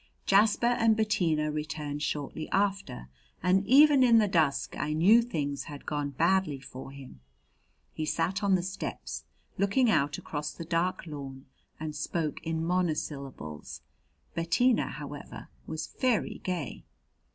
Jasper and Bettina returned shortly after, and even in the dusk I knew things had gone badly for him. He sat on the steps, looking out across the dark lawn, and spoke in monosyllables. Bettina, however, was very gay.